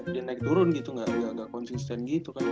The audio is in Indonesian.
dia naik turun gitu nggak konsisten gitu kan